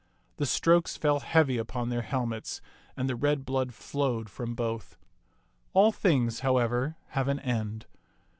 The strokes fell heavy upon their helmets, and the red blood flowed from both. All things, however, have an end.